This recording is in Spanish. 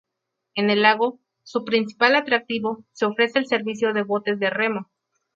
En el lago, su principal atractivo, se ofrece el servicio de botes de remo.